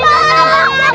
jangan lari berhenti